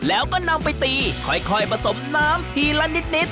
แล้วก็นำไปตีค่อยผสมน้ำทีละนิด